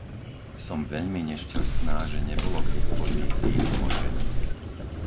Som veľmi nešťastná, že nebolo k dispozícii tlmočenie.